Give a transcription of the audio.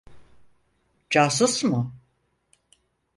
Casus mu?